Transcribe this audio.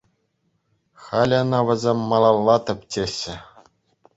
Халӗ ӑна вӗсем малалла тӗпчеҫҫӗ.